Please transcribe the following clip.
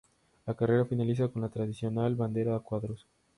La carrera finaliza con la tradicional bandera a cuadros.